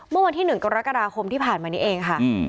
เมื่อวันที่๑กรกฎาคมที่ผ่านมานี้เองค่ะ